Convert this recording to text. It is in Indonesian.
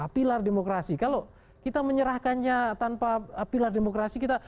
pilar demokrasi kalau kita menyerahkannya tanpa pilar demokrasi kita